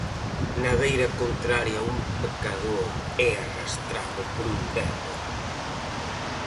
Na beira contraria un pecador é arrastrado por un demo.